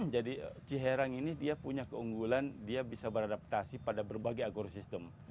jadi ciherang ini dia punya keunggulan dia bisa beradaptasi pada berbagai agrosistem